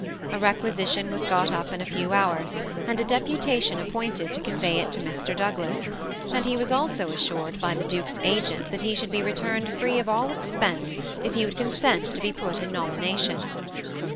A requisition was got up in a few hours, and a deputation appointed to convey it to Mr. Douglas, and he was also assured by the duke's agent that he should be returned free of all expense if he would consent to be put in nomina tion.